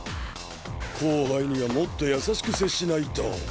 後輩にはもっと優しく接しないと。